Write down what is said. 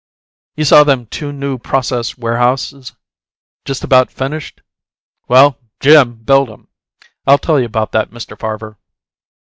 You saw them two new process warehouses, just about finished? Well, JIM built 'em. I'll tell you about that, Mr. Farver."